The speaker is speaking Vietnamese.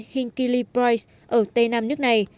hinkley price ở tây nam nước này